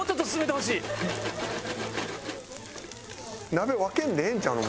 鍋分けんでええんちゃうの？